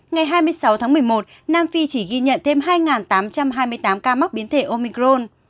ngày hai mươi sáu tháng một mươi một nam phi chỉ ghi nhận thêm hai tám trăm hai mươi tám ca mắc biến thể omicron